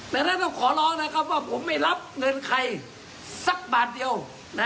ดังนั้นต้องขอร้องนะครับว่าผมไม่รับเงินใครสักบาทเดียว